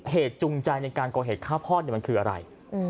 เหตุจุงใจในการก่อเหตุข้าวพ่อมันคืออะไร